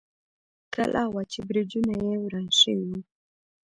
کلا وه، چې برجونه یې وران شوي و.